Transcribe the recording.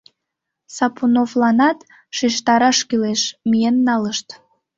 Сапуновланат шижтараш кӱлеш, миен налышт».